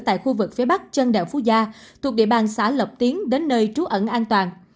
tại khu vực phía bắc chân đèo phú gia thuộc địa bàn xã lộc tiến đến nơi trú ẩn an toàn